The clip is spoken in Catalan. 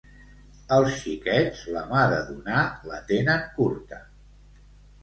Els xiquets, la mà de donar la tenen curta.